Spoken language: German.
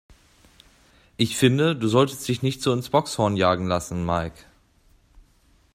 Ich finde, du solltest dich nicht so ins Bockshorn jagen lassen, Mike.